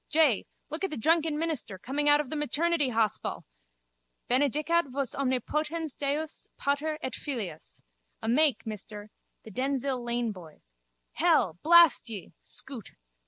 Jay, look at the drunken minister coming out of the maternity hospal! Benedicat vos omnipotens Deus, Pater et Filius. A make, mister. The Denzille lane boys. Hell, blast ye! Scoot.